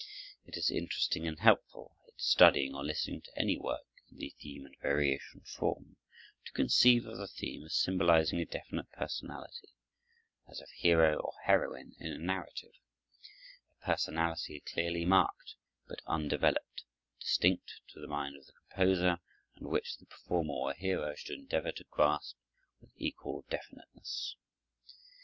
It is interesting and helpful, in studying or listening to any work in the theme and variation form, to conceive of the theme as symbolizing a definite personality, as of hero or heroine in a narrative, a personality clearly marked, but undeveloped, distinct to the mind of the composer, and which the performer or hearer should endeavor to grasp with equal definiteness.